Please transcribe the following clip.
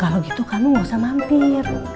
kalau gitu kamu gak usah mampir